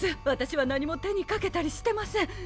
私は何も手にかけたりしてません。